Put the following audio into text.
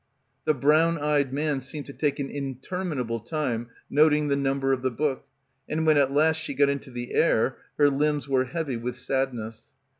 The brown eyed man seemed to take an interminable time noting the number of the book, and when at last she got into the air her limbs were heavy with sadness.